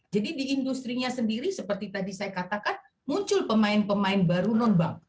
jadi di industri nya sendiri seperti tadi saya katakan muncul pemain pemain baru non bank